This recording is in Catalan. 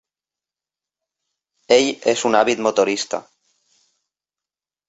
Ell és un àvid motorista.